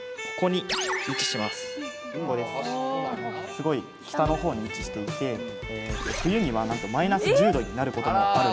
すごい北の方に位置していて冬にはなんとマイナス１０℃になることもあるんです。